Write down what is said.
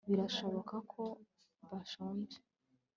birashoboka ko bashonje